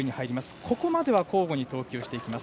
ここまでは交互に投球していきます。